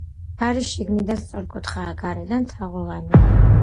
კარი შიგნიდან სწორკუთხაა, გარედან თაღოვანი.